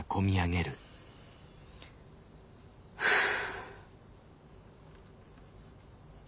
はあ。